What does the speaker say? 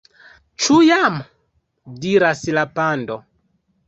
"Ĉu jam?" diras la pando.